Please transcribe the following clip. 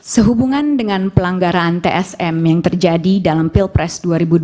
sehubungan dengan pelanggaran tsm yang terjadi dalam pilpres dua ribu dua puluh